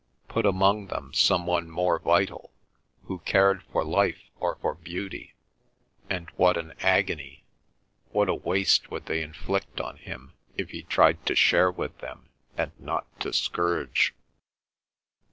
Put among them some one more vital, who cared for life or for beauty, and what an agony, what a waste would they inflict on him if he tried to share with them and not to scourge!